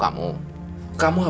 kami mau tahu